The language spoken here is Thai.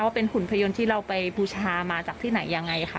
เป็นหุ่นพยนต์ที่เราไปบูชามาจากที่ไหนยังไงค่ะ